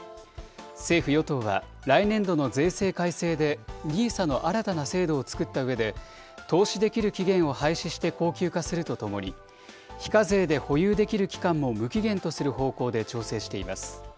政府・与党は来年度の税制改正で、ＮＩＳＡの新たな制度を作ったうえで、投資できる期限を廃止して恒久化するとともに、非課税で保有できる期間も無期限とする方向で調整しています。